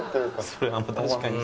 それは確かに。